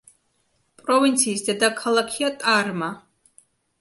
პროვინციის დედაქალაქია ტარმა.